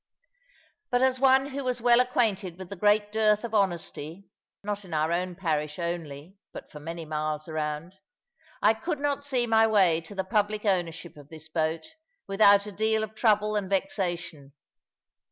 But as one who was well acquainted with the great dearth of honesty (not in our own parish only, but for many miles around), I could not see my way to the public ownership of this boat, without a deal of trouble and vexation.